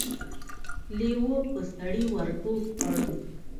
لېوه په سړي ور ټوپ کړ.